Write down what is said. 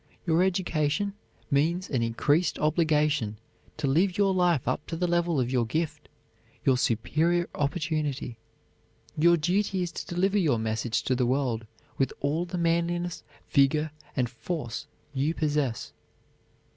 Your education means an increased obligation to live your life up to the level of your gift, your superior opportunity. Your duty is to deliver your message to the world with all the manliness, vigor, and force you possess.